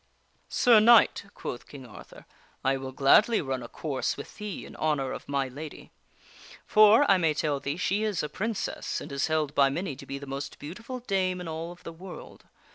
" Sir Knight," quoth King Arthur, " I will gladly run a course with thee in honor of my lady ; for, I may tell thee, she is a princess, and is held by many to be the most beautiful dame in all of the world.